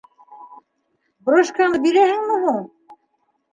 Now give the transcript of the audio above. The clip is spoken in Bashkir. Брошкаңды бирәһеңме һуң?